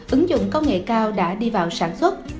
ứng dụng công nghệ cao đã đi vào sản xuất